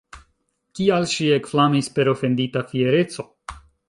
Kial ŝi ekflamis per ofendita fiereco?